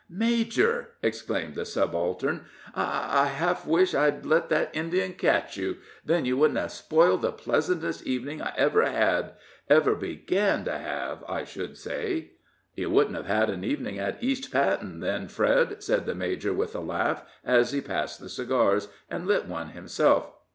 "Major!" exclaimed the subaltern, "I I half wish I'd let that Indian catch you; then you wouldn't have spoiled the pleasantest evening I ever had ever began to have, I should say." "You wouldn't have had an evening at East Patten then, Fred," said the major, with a laugh, as he passed the cigars, and lit one himself.